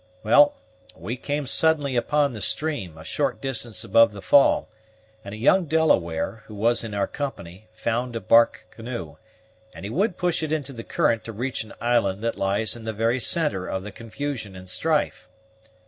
Well, we came suddenly upon the stream, a short distance above the fall, and a young Delaware, who was in our company, found a bark canoe, and he would push into the current to reach an island that lies in the very centre of the confusion and strife.